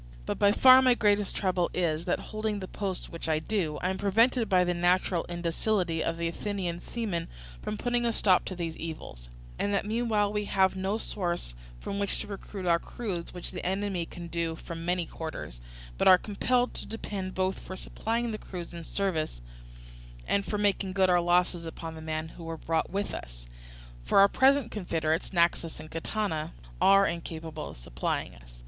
But by far my greatest trouble is, that holding the post which I do, I am prevented by the natural indocility of the Athenian seaman from putting a stop to these evils; and that meanwhile we have no source from which to recruit our crews, which the enemy can do from many quarters, but are compelled to depend both for supplying the crews in service and for making good our losses upon the men whom we brought with us. For our present confederates, Naxos and Catana, are incapable of supplying us.